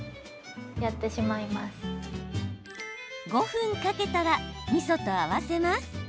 ５分かけたら、みそと合わせます。